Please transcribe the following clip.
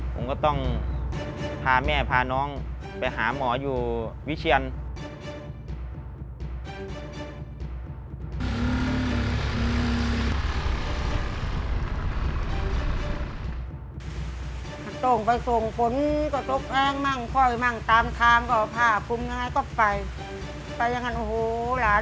ผมก็ต้องพาแม่พาน้องไปหาหมออยู่วิเชียน